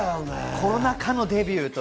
コロナ禍のデビューです。